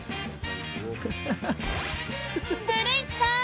古市さん！